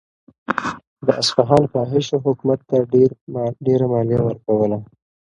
د اصفهان فاحشو حکومت ته ډېره مالیه ورکوله.